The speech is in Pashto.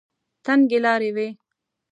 تنګې لارې وې.